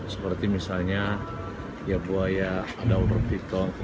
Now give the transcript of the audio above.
seperti misalnya buaya daun berpikong